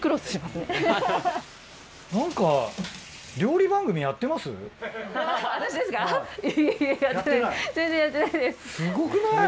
すごくない？